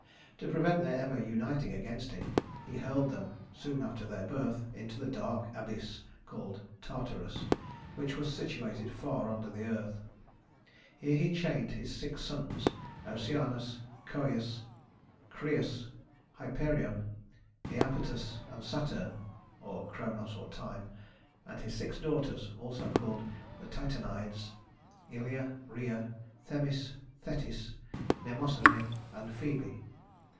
To prevent their ever uniting against him he hurled them, soon after their birth, into the dark abyss called Tartarus, which was situated far under the earth. Here he chained his six sons, Oceanus, Cœus, Crius, Hyperion, Iapetus, and Saturn (Cronos or Time) and his six daughters (also called the Titanides), Ilia, Rhea, Themis, Thetis, Mnemosyne, and Phœbe.